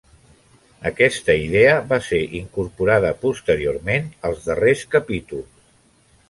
Aquesta idea va ser incorporada posteriorment als darrers capítols.